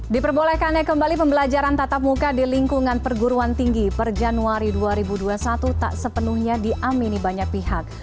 diperbolehkannya kembali pembelajaran tatap muka di lingkungan perguruan tinggi per januari dua ribu dua puluh satu tak sepenuhnya diamini banyak pihak